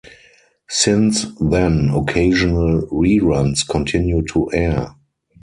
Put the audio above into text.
Since then, occasional reruns continue to air.